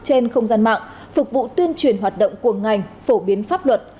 trên không gian mạng phục vụ tuyên truyền hoạt động của ngành phổ biến pháp luật